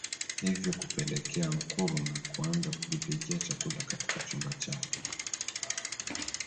Hivyo kupelekea Nkrumah kuanza kujipikia chakula katika chumba chake